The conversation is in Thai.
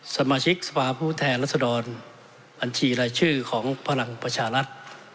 สมาชิกสภาพผู้แทนรัศดรบัญชีรายชื่อของพลังประชารัฐ